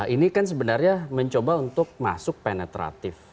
ini kan sebenarnya mencoba untuk masuk penetratif